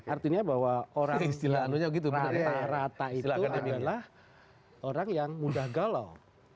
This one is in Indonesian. artinya bahwa orang istilah rata itu adalah orang yang mudah galau